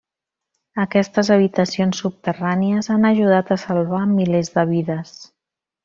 Aquestes habitacions subterrànies han ajudat a salvar milers de vides.